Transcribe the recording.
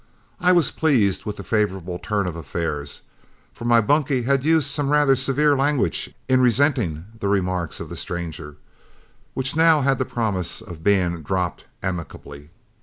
I was pleased with the favorable turn of affairs, for my bunkie had used some rather severe language in resenting the remarks of the stranger, which now had the promise of being dropped amicably.